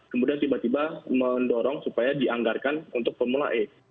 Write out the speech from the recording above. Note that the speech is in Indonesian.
kemudian tiba tiba mendorong supaya dianggarkan untuk formula e